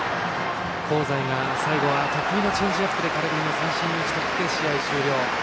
香西が最後は得意のチェンジアップで空振り三振に打ち取って試合終了。